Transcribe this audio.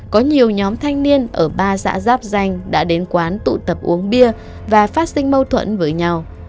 có nhiều nhóm thanh niên ở ba xã giáp danh đã đến quán tụ tập uống bia và phát sinh mâu thuẫn với nhau